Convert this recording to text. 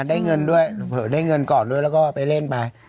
ได้เงินด้วยเผลอได้เงินก่อนด้วยแล้วก็ไปเล่นไป